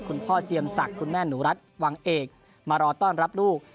เจียมศักดิ์คุณแม่หนูรัฐวังเอกมารอต้อนรับลูก